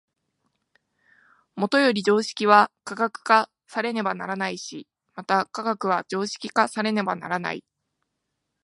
もとより常識は科学化されねばならないし、また科学は常識化されねばならない。